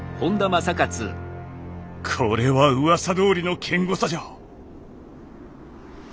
これはうわさどおりの堅固さじゃ。